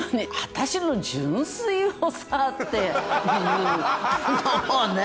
私の純粋をさっていうのをね。